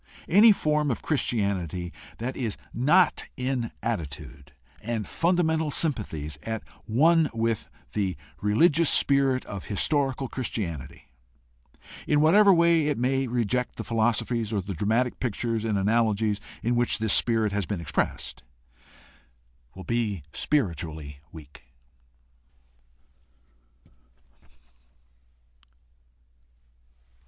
Any form of Chris tianity that is not in attitude and fundamental sympathies at one with the religious spirit of historical Christianity, in whatever way it may reject the philosophies or the dramatic pictures and analogies in which this spirit has been expressed, will be spiritually weak.